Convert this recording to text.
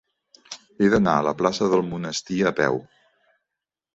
He d'anar a la plaça del Monestir a peu.